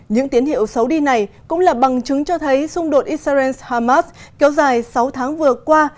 những tín hiệu xấu đi này cũng là bằng chứng cho thấy xung đột israel hamas kéo dài sáu tháng vừa qua